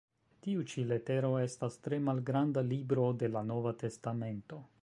Tiu ĉi letero estas tre malgranda "libro" de la Nova testamento.